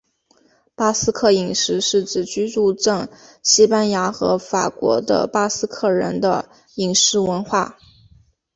巴斯克饮食是指居住证西班牙和法国的巴斯克人的饮食文化。